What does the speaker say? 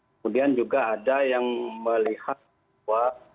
kemudian juga ada yang melihat bahwa